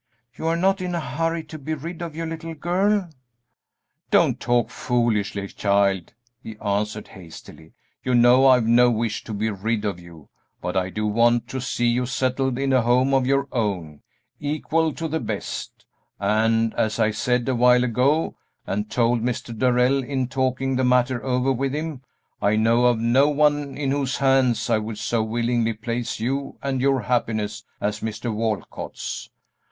You are not in a hurry to be rid of your little girl?" "Don't talk foolishly, child," he answered, hastily; "you know I've no wish to be rid of you, but I do want to see you settled in a home of your own equal to the best, and, as I said a while ago, and told Mr. Darrell in talking the matter over with him, I know of no one in whose hands I would so willingly place you and your happiness as Mr. Walcott's.